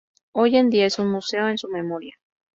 Hoy en día es un museo en su memoria.